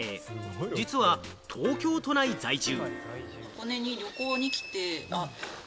実は東京都内在住。